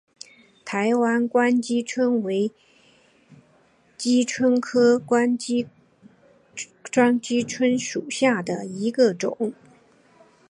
台湾光姬蝽为姬蝽科光姬蝽属下的一个种。